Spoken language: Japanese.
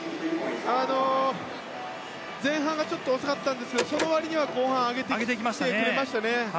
前半がちょっと遅かったんですけどその割には後半上げてきてくれましたね。